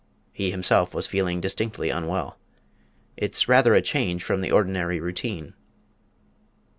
he himself was feeling distinctly unwell: "it's rather a change from the ordinary routine."